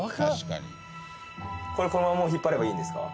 これこのまま引っ張ればいいんですか？